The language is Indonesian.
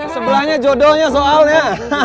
sebelahnya jodohnya soalnya